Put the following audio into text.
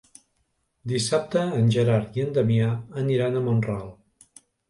Dissabte en Gerard i en Damià aniran a Mont-ral.